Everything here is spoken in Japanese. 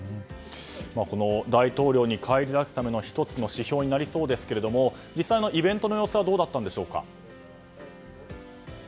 この大統領に返り咲くための１つの指標になりそうですけれど実際、イベントの様子はどうだったんでしょうか？